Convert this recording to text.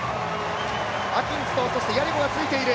アキンズとヤリゴがついている。